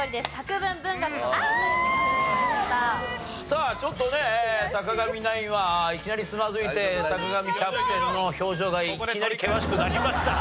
さあちょっとね坂上ナインはいきなりつまずいて坂上キャプテンの表情がいきなり険しくなりました。